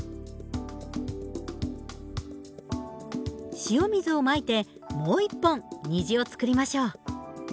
塩水をまいてもう一本虹を作りましょう。